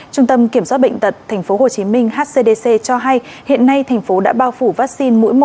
trung tâm kiểm soát bệnh tật tp hcm hcdc cho hay hiện nay thành phố đã bao phủ vaccine mũi một